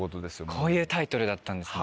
こういうタイトルだったんですね。